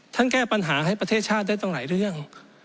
แก้ปัญหาให้ประเทศชาติได้ตั้งหลายเรื่อง